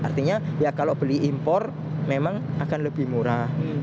artinya ya kalau beli impor memang akan lebih murah